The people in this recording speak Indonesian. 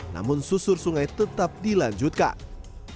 namun susur sungai tetap dilanjutkan